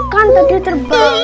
kan tadi terbang